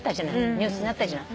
ニュースになったじゃん。